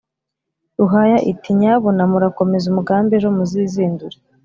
ruhaya iti « nyabuna murakomeze umugambi ejo muzizindure